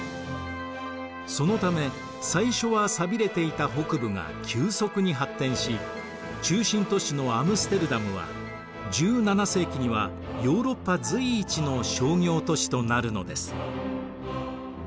そのため最初は寂れていた北部が急速に発展し中心都市のアムステルダムは１７世紀にはヨーロッパ随一の商業都市となるのです。